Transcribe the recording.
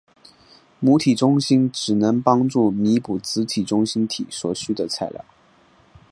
母体中心体只能帮助弥补子体中心体所需的材料。